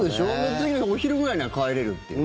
次の日お昼くらいには帰れるっていう。